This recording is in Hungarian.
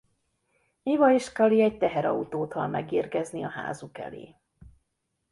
Eva és Cali egy teherautót hall megérkezni a házuk elé.